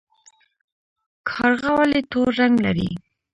کارغه ولې تور رنګ لري؟